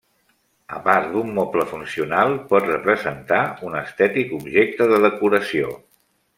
A part d'un moble funcional, pot representar un estètic objecte de decoració.